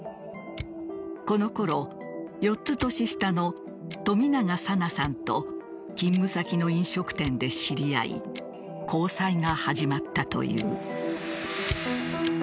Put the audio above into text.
このころ４つ年下の冨永紗菜さんと勤務先の飲食店で知り合い交際が始まったという。